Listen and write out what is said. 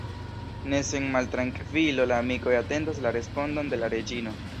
Ne sen maltrankvilo la amikoj atendas la respondon de la reĝino.